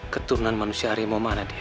keturunan manusia harimau mana dia